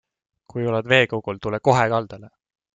Kui oled veekogul, tule kohe kaldale.